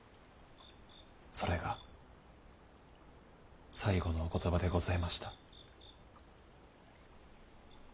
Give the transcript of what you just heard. それが最後のお言葉でございました。